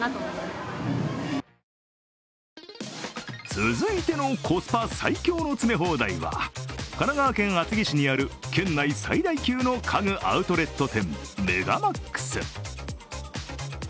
続いてのコスパ最強の詰め放題は神奈川県厚木市にある県内最大級の家具アウトレット店、メガマックス。